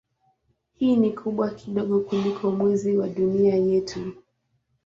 Hii ni kubwa kidogo kuliko Mwezi wa Dunia yetu.